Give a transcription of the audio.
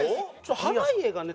濱家がね